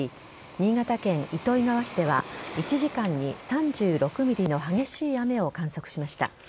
新潟県糸魚川市では１時間に３６ｍｍの激しい雨を観測しました。